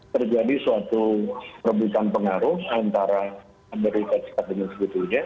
terjadi suatu perubahan pengaruh antara dari fatshat dengan sebetulnya